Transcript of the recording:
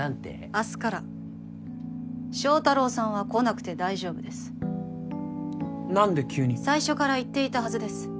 明日から祥太郎さんは来なくて大丈夫です何で急に最初から言っていたはずです